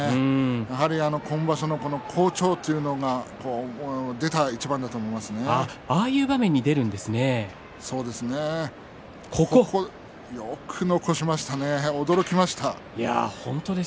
やはり今場所の好調というのがああいう場面によく残しましたね驚きました。